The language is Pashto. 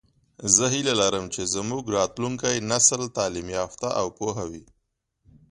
زه هیله لرم چې زمونږ راتلونکی نسل تعلیم یافته او پوهه وي